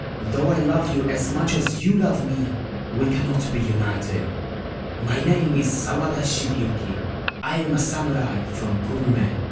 Though I love you as much as you love me, we cannot be united. My name is Sawada Shigeoki. I am a samurai from Kurume.